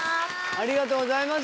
ありがとうございます。